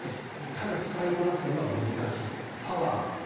ただ、使いこなすのが難しいパワーもいる。